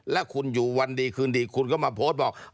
แล้วคุณอยู่วันดีคืนดีคุณก็มาโพสต์บอก